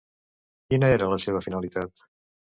Quina era la seva finalitat?